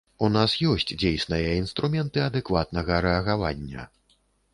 У нас ёсць дзейсныя інструменты адэкватнага рэагавання.